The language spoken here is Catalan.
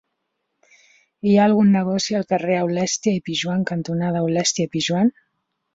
Hi ha algun negoci al carrer Aulèstia i Pijoan cantonada Aulèstia i Pijoan?